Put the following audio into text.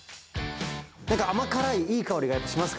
何か甘辛いいい香りがしますからね。